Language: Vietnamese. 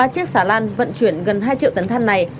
ba chiếc xà lan vận chuyển gần hai triệu tấn than này